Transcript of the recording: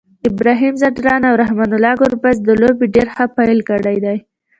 ابراهیم ځدراڼ او رحمان الله ګربز د لوبي ډير ښه پیل کړی دی